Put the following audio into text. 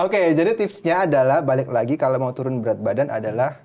oke jadi tipsnya adalah balik lagi kalau mau turun berat badan adalah